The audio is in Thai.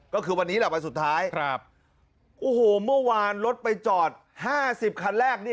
ก็คือวันนี้แหละวันสุดท้ายครับโอ้โหเมื่อวานรถไปจอดห้าสิบคันแรกนี่